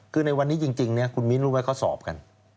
คือในวันนี้จริงคุณมิ้นรู้ไหมเขาสอบกัน